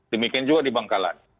demikian juga di bangkalan